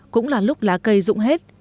cũng là lúc lá cây rụng hết